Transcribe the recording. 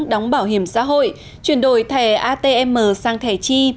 đóng bảo hiểm xã hội chuyển đổi thẻ atm sang thẻ chi